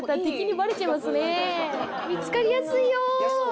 見つかりやすいよ！